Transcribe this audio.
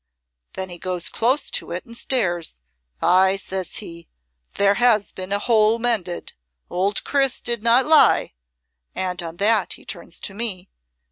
Then he goes close to it and stares. 'Ay,' says he, 'there has been a hole mended. Old Chris did not lie.' And on that he turns to me.